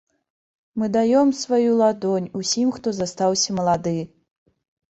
Мы даём сваю далонь, усім хто застаўся малады!